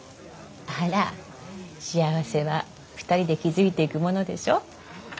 あら幸せは２人で築いていくものでしょ。